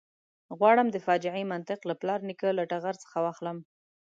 غواړم د فاجعې منطق له پلار نیکه له ټغر څخه ولاړ کړم.